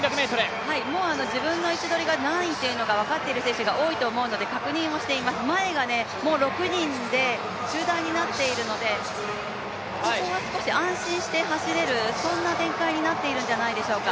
もう自分の位置取りが、何位と分かっている選手が多いので、確認しています、前がもう６人で集団になっているのでここは少し安心して走れる、そんな展開になっているんじゃないでしょうか。